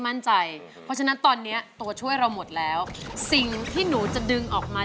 ถ้ายังไม่พอนะครับตอนนี้ตัวช่วยยังใช้ได้อีกหนึ่งตัว